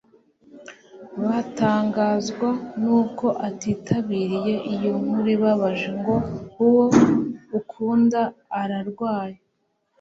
batangazwa nuko atitabiriye iyo nkuru ibabaje, ngo : "uwo ukunda ararwaye."